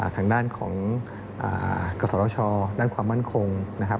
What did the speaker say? ทางด้านของกษรชด้านความมั่นคงนะครับ